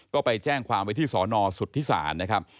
ก็ไปแจ้งความไว้ที่สอนอสุทธิศาลนะครับ